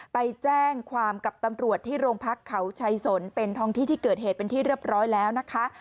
ไปแจ้งความกับตำรวจที่โรงพักเขาชัยสนเป็นท้องที่ที่เกิดเหตุเป็นที่เรียบร้อยแล้วนะคะ